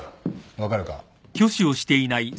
分かるか？